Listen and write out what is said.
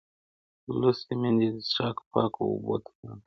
لوستې میندې د څښاک پاکو اوبو ته پام کوي.